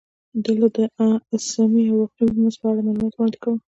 دلته د اسمي او واقعي مزد په اړه معلومات وړاندې کوو